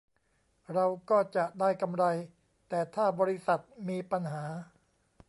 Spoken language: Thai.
เราก็จะได้กำไร แต่ถ้าบริษัทมีปัญหา